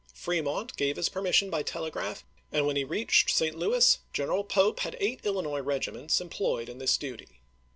Fremont gave the permission by telegraph; and when he reached St. Louis General Pope had eight Illinois regiments employed in this duty.